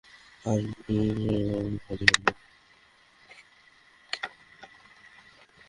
আর তুমি তো অবাকই হলে না।